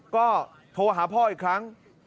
ก็โทรหาพ่ออีกครั้ง